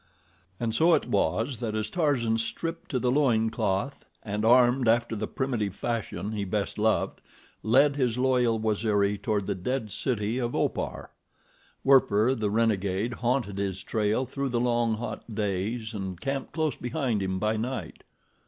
And so it was that as Tarzan, stripped to the loin cloth and armed after the primitive fashion he best loved, led his loyal Waziri toward the dead city of Opar, Werper, the renegade, haunted his trail through the long, hot days, and camped close behind him by night.